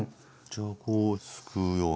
じゃあこうすくうように。